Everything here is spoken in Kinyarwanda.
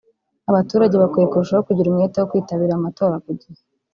Abaturage bakwiye kurushaho kugira umwete wo kwitabira amatora ku gihe